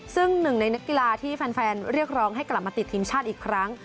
ซึ่งหนึ่งในนักกีฬาที่แฟนเรียกร้องให้กลับมาติดทีมชาติอีกครั้ง